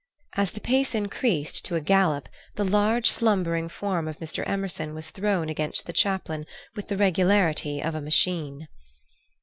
As the pace increased to a gallop the large, slumbering form of Mr. Emerson was thrown against the chaplain with the regularity of a machine.